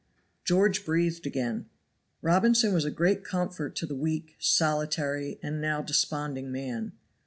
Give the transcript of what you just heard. George breathed again. Robinson was a great comfort to the weak, solitary, and now desponding man.